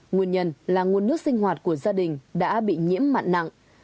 nguyên nhân là nguồn nước sinh hoạt của gia đình đã bị nhiễm mặn nặng